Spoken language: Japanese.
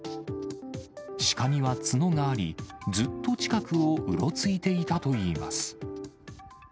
シカには角があり、ずっと近くをうろついていたといいます。